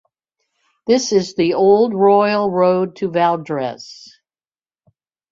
This is the old royal road to Valdres.